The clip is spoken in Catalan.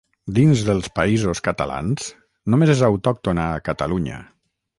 Dins dels Països Catalans només és autòctona a Catalunya.